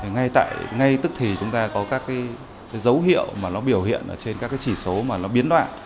ngay tức thì chúng ta có các dấu hiệu mà nó biểu hiện trên các chỉ số mà nó biến đoạn